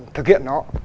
thực hiện nó